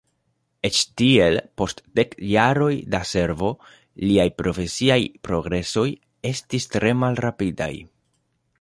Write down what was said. Eĉ tiel, post dek jaroj da servo, liaj profesiaj progresoj estis tre malrapidaj.